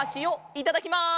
いただきます！